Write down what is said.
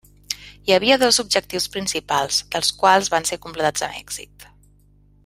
Hi havia dos objectius principals, dels quals van ser completats amb èxit.